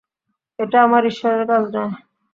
এটা আমার ঈশ্বরের কাজ নয়।